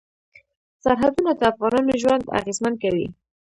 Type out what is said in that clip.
سرحدونه د افغانانو ژوند اغېزمن کوي.